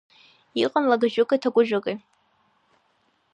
Иҟан лагажәыки ҭакәажәыки.